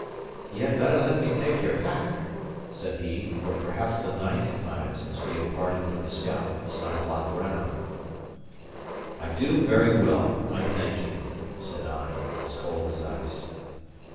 "Ye had better let me take your pack," said he, for perhaps the ninth time since we had parted from the scout beside Loch Rannoch. "I do very well, I thank you," said I, as cold as ice.